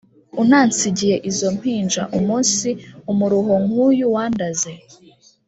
Unansigiye izo mpinja Umunsi umuruho nk’uyu Wandaze